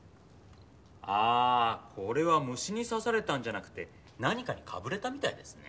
ああこれは虫に刺されたんじゃなくて何かにかぶれたみたいですね。